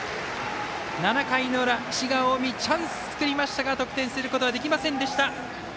７回の裏、滋賀・近江チャンスを作りましたが得点することはできませんでした。